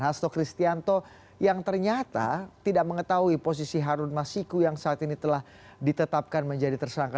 hasto kristianto yang ternyata tidak mengetahui posisi harun masiku yang saat ini telah ditetapkan menjadi tersangka